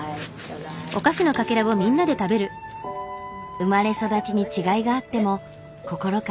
生まれ育ちに違いがあっても心から笑い合える。